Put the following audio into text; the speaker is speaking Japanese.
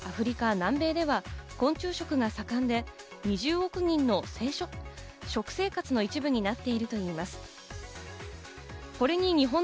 実はすでにアジア、アフリカ、南米では昆虫食が盛んで、２０億人の食生活の一部になっているといいます。